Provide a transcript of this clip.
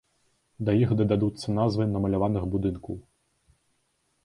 Да іх дададуцца назвы намаляваных будынкаў.